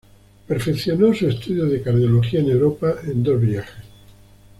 Perfeccionó sus estudios de cardiología en Europa en dos viajes.